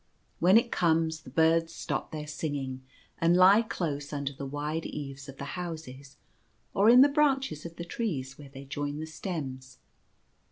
When it comes the birds stop their singing, and lie close under the wide eaves of the houses, or in the branches of the trees where they join the stems.